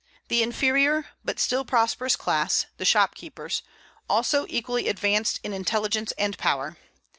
The inferior, but still prosperous class, the shopkeepers, also equally advanced in intelligence and power.